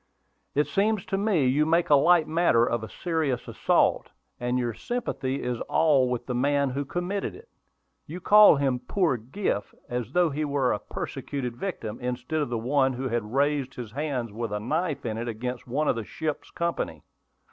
"It seems to me you make a light matter of a serious assault, and your sympathy is all with the man who committed it. You call him 'poor Griff,' as though he were a persecuted victim, instead of one who had raised his hand with a knife in it against one of the ship's company."